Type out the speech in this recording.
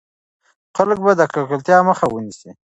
خلک به د ککړتيا مخه ونيسي.